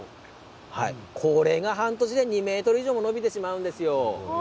これが半年で２ｍ以上も伸びてしまうんですよ。